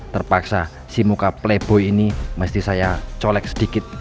terpaksa si muka plebo ini mesti saya colek sedikit